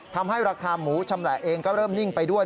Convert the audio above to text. ทำให้ราคาหมูชำแหละเองก็เริ่มนิ่งไปด้วย